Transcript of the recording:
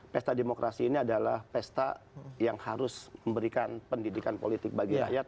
pesta demokrasi ini adalah pesta yang harus memberikan pendidikan politik bagi rakyat